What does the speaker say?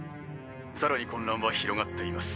さらに混乱は広がっています。